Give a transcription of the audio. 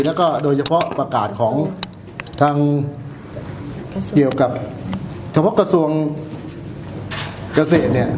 แล้วก็โดยเฉพาะประกาศของทางเกี่ยวกับเฉพาะกระทรวงเกษตรเนี่ย